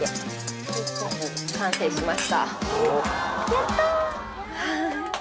やった。